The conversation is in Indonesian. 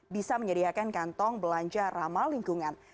bisa menyediakan kantong belanja ramah lingkungan